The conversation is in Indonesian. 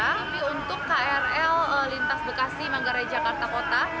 tapi untuk krl lintas bekasi manggarai jakarta kota